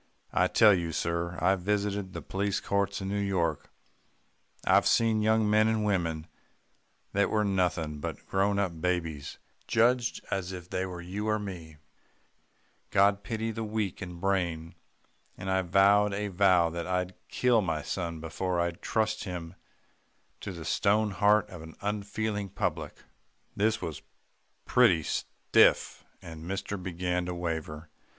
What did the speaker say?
I tell you, sir, I've visited the police courts in New York I've seen young men and women that were nothing but grown up babies judged as if they were you or me God pity the weak in brain and I vowed a vow that I'd kill my son before I'd trust him to the stone heart of the unfeeling public!' "This was pretty stiff, and mister began to waver.